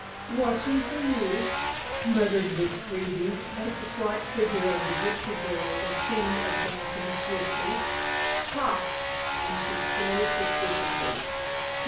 "Watching for you," muttered Miss Greeby, as the slight figure of the gypsy girl was seen advancing swiftly. "Ha!" and she snorted suspiciously.